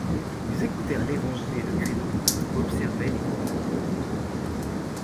Ils écoutèrent l'Évangile et le Credo, observaient les mouvements du prêtre.